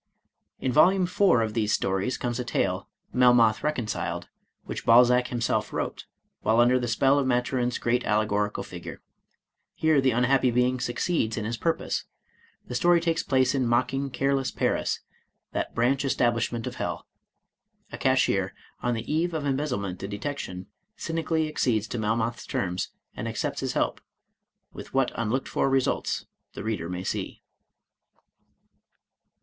In Volume IV of these stories comes a tale, '* Melmoth Reconciled, '' which Balzac himself wrote, while under the spell of Maturin's "great allegorical figure." Here the uihappy being succeeds in his pur pose. The story takes place in mocking, careless Paris, "that branch establishment of hell" ; a cashier, on the eve of embezzlement and detection, cynically accedes to Melmoth's terms, and accepts his help — ^with what unlooked for results, the reader may see.